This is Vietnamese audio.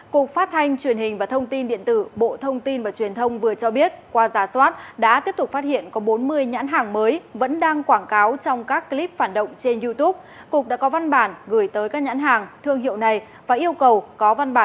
cục phát thanh truyền hình và thông tin điện tử bộ thông tin và truyền thông vừa cho biết qua giá soát đã tiếp tục phát hiện có bốn mươi nhãn hàng mới vẫn đang quảng cáo trong các clip phản động trên youtube